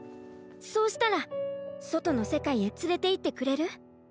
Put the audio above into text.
そうしたらそとのせかいへつれていってくれる？